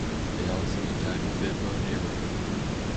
They also attacked Bimbo neighborhood.